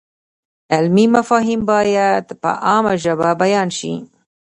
علمي مفاهیم باید په عامه ژبه بیان شي.